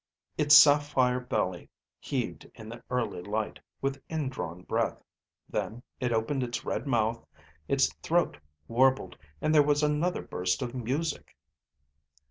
It's sapphire belly heaved in the early light with indrawn breath; then it opened its red mouth, its throat warbled, and there was another burst of music.